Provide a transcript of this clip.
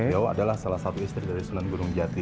beliau adalah salah satu istri dari sunan gunung jati